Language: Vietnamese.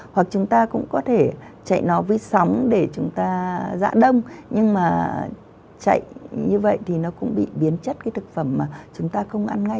hoặc chúng ta cũng có thể chạy nó với sóng để chúng ta dạ đông nhưng mà chạy như vậy thì nó cũng bị biến chất cái thực phẩm mà chúng ta không ăn ngay